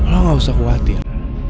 lu gak usah khawatir